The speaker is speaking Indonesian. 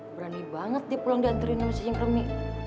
berani banget dipulang diantriin sama si cingkremi